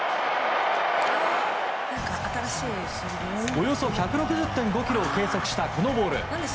およそ１６０．５キロを計測したこのボール。